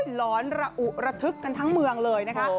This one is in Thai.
หลอนระอุระทึกกันทั้งเมืองเลยนะคะ